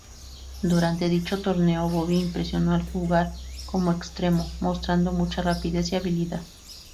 Durante dicho torneo, Bobby impresionó al jugar como extremo, mostrando mucha rapidez y habilidad.